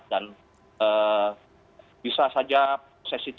dan bisa saja sesi tukar